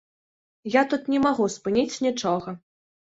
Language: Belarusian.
Я тут не магу спыніць нічога.